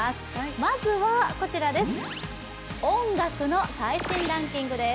まずは音楽の最新ランキングです。